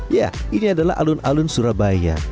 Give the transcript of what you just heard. ya ini adalah alun alun surabaya